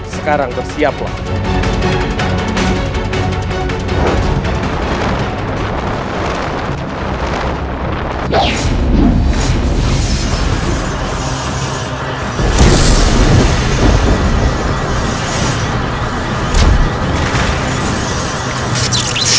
sekarang bersiap untuk mencarimu